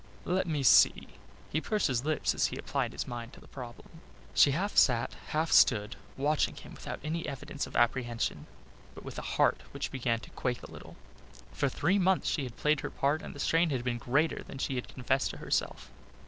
Let me see," he pursed his lips as he applied his mind to the problem. She half sat, half stood, watching him without any evidence of apprehension, but with a heart which began to quake a little. For three months she had played her part and the strain had been greater than she had confessed to herself.